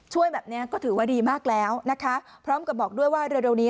แบบนี้ก็ถือว่าดีมากแล้วนะคะพร้อมกับบอกด้วยว่าเร็วนี้